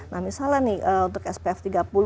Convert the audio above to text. nah misalnya nih untuk spf tiga puluh